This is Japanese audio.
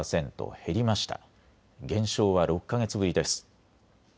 減少は６か月ぶりです。